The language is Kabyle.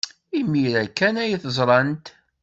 Imir-a kan ay t-ẓrant.